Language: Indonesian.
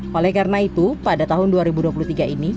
oleh karena itu pada tahun dua ribu dua puluh tiga ini